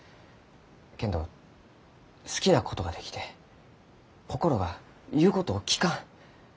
けんど好きなことができて心が言うことを聞かん。